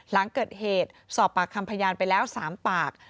หลังเกิดเหตุสอบปากคำพยานไปแล้ว๓ปาก